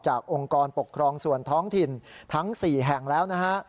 องค์กรปกครองส่วนท้องถิ่นทั้ง๔แห่งแล้วนะฮะ